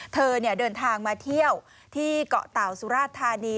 เดินทางมาเที่ยวที่เกาะเต่าสุราชธานี